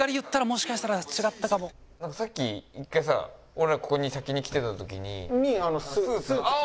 なんかさっき１回さ俺らここに先に来てた時に。